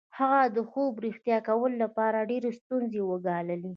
هغه د خوب رښتیا کولو لپاره ډېرې ستونزې وګاللې